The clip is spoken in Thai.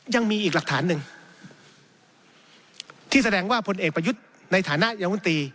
ยังมีอีกหลักฐานหนึ่งที่แสดงว่าพลเอกประยุทธ์ในฐานะยามนตรี